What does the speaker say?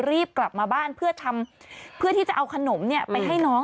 รีบกลับมาบ้านเพื่อทำเพื่อที่จะเอาขนมไปให้น้อง